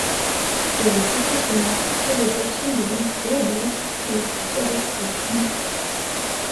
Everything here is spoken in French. Elle est essentiellement peuplée de personnes de langue berbère et de dialecte chleuh.